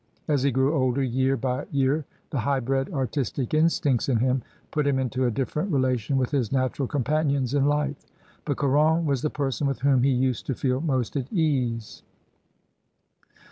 As he grew older year by year the high bred artistic instincts in him put him into a different relation with his natural companions in life; but Caron was the person with whom he used to feel most at ease.